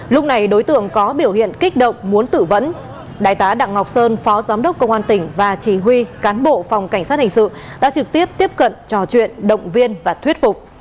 lúc này đối tượng có biểu hiện kích động muốn tự vẫn đại tá đặng ngọc sơn phó giám đốc công an tỉnh và chỉ huy cán bộ phòng cảnh sát hình sự đã trực tiếp tiếp cận trò chuyện động viên và thuyết phục